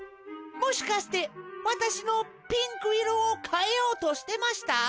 もしかしてわたしのピンクいろをかえようとしてました？